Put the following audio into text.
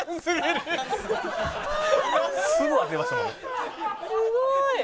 すごい！